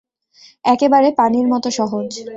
একেবারে পানির মতো সহজ!